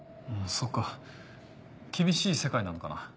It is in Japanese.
そうか厳しい世界なのかな。